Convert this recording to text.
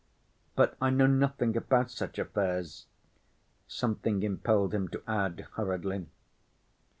But I know nothing about such affairs," something impelled him to add hurriedly.